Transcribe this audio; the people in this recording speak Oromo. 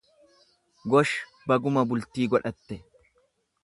Gosh, baguma bultii godhatte.